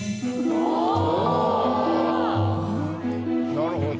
なるほど。